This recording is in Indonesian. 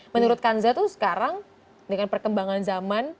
menurut kanza tuh sekarang dengan perkembangan zaman